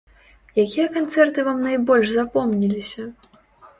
Якія канцэрты вам найбольш запомніліся?